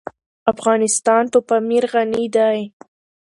افغانستان په پامیر غني دی.